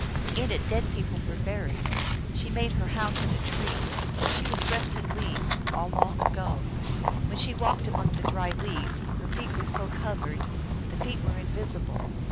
In it dead people were buried. She made her house in a tree ; She was dressed in leaves, All long ago. When she walked among the dry leaves Her feet were so covered The feet were invisible.